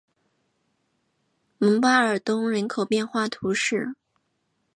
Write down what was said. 蒙巴尔东人口变化图示